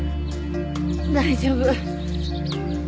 大丈夫。